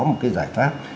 một cái giải pháp